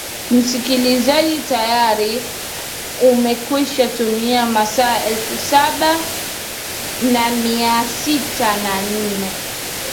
msikilizaji tayari umekwisha tumia masaa elfu saba na mia sita na nne